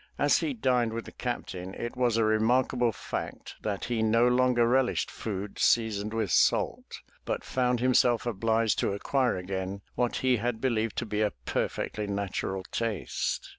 As he dined with the Captain it was a remarkable fact that he no longer relished food seasoned with salt, but found himself obliged to acquire again what he had believed to be a perfectly natural taste.